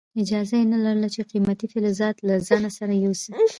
اجازه یې نه لرله چې قیمتي فلزات له ځان سره یوسي.